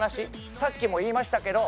「さっきも言いましたけど